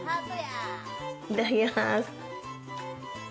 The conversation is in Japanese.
いただきます。